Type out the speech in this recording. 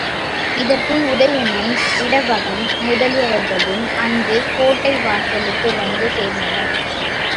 இதற்குள் உதயணன், இடவகன் முதலியவர்களும் அங்கே கோட்டை வாசலுக்கு வந்து சேர்ந்தனர்.